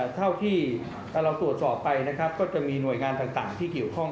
เท่าที่เราตรวจสอบไปนะครับก็จะมีหน่วยงานต่างที่เกี่ยวข้อง